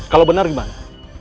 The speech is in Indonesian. kalau bener gimana